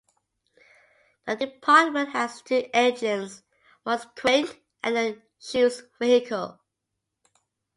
The department has two engines, one quint and a chief's vehicle.